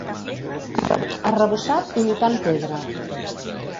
Arrebossat imitant pedra.